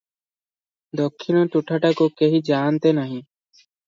ଦକ୍ଷିଣ ତୁଠଟାକୁ କେହି ଯାଆନ୍ତି ନାହିଁ ।